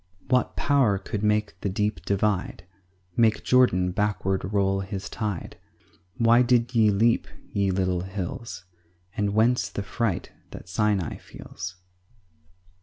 4 What power could make the deep divide? Make Jordan backward roll his tide? Why did ye leap, ye little hills? And whence the fright that Sinai feels?